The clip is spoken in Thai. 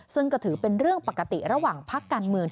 ซึ่งก็ถือเป็นเรื่องปกติระหว่างพักการเมือง